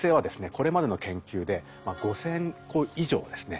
これまでの研究で５，０００個以上ですね